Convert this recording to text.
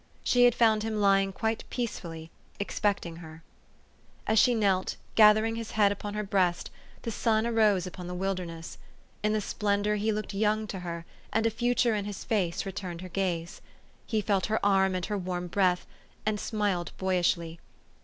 She had found him lying quite peacefully, expect ing her. 440 THE STORY OF AVIS. As she knelt, gathering his head upon her breast, the sun arose upon the wilderness. In the splendor he looked young to her, and a future in his face returned her gaze. He felt her arm and her warm breath, and smiled boyishly.